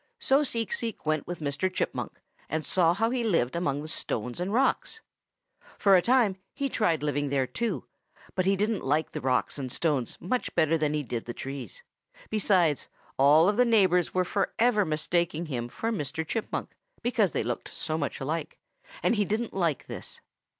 "So Seek Seek went with Mr. Chipmunk and saw how he lived among the rocks and stones. For a time he tried living there too, but he didn't like the rocks and stones much better than he did the trees. Besides, all the neighbors were forever mistaking him for Mr. Chipmunk because they looked so much alike, and he didn't like this.